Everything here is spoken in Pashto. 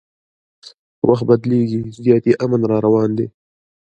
وخت بدلیږي زیاتي امن راروان دی